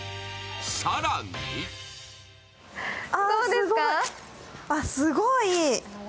更にあっ、すごい。